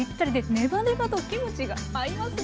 ネバネバとキムチが合いますね。